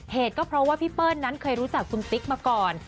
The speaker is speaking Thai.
เหตุก็เพราะว่าพี่เปิ้ลนั้นเคยรู้จักคุณติ๊กมาก่อน